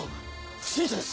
不審者です。